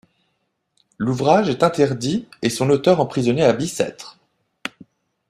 L'ouvrage est interdit et son auteur emprisonné à Bicêtre.